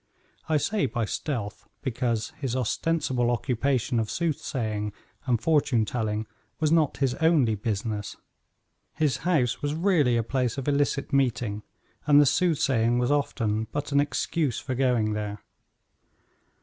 I say by stealth; because his ostensible occupation of soothsaying and fortune telling was not his only business. His house was really a place of illicit meeting, and the soothsaying was often but an excuse for going there.